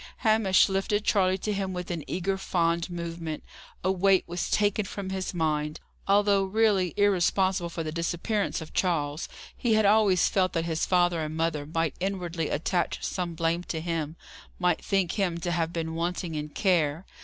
Hamish lifted Charley to him with an eager, fond movement. A weight was taken from his mind. Although really irresponsible for the disappearance of Charles, he had always felt that his father and mother might inwardly attach some blame to him might think him to have been wanting in care.